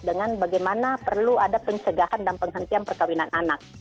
dengan bagaimana perlu ada pencegahan dan penghentian perkawinan anak